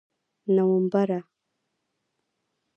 نومبره!